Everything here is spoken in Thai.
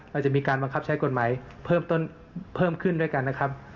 เราจะมีการบังคับใช้กฎหมายเพิ่มต้นเพิ่มขึ้นด้วยกันนะครับ